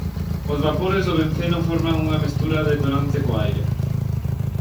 Os vapores do benceno forman unha mestura detonante co aire.